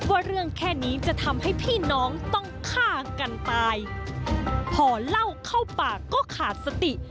ว่าเรื่องแค่นี้จะทำให้พี่น้องต้องฆ่ากันตายพอเล่าเข้าปากก็ขาดสติ